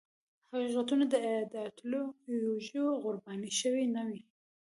حقیقتونه د ایدیالوژیو قرباني شوي نه وي.